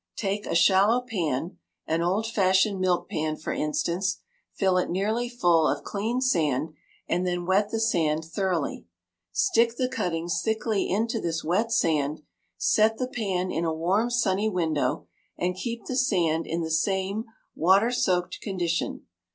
Take a shallow pan, an old fashioned milk pan for instance, fill it nearly full of clean sand, and then wet the sand thoroughly. Stick the cuttings thickly into this wet sand, set the pan in a warm, sunny window, and keep the sand in the same water soaked condition.